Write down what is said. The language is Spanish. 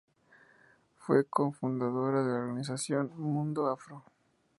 Fue co-fundadora de la Organización Mundo Afro.